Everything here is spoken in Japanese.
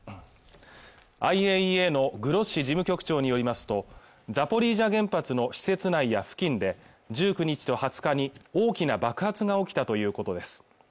ＩＡＥＡのグロッシ事務局長によりますとザポリージャ原発の施設内や付近で１９日と２０日に大きな爆発が起きたということです